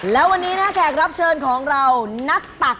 แล้ววันนี้นะคะแขกรับเชิญของเรานักตัก